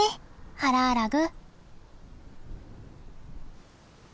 ハラアラグ。